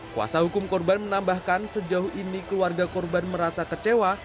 kuasa hukum korban menambahkan sejauh ini keluarga korban merasa kecewa